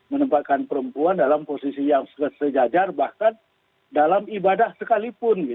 menempatkan perempuan dalam posisi yang sejajar bahkan dalam ibadah sekalipun